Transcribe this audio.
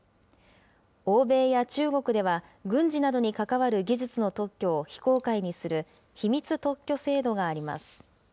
欧米や中国では軍事などに関わる技術の特許を非公開にする、秘密特許制度があります。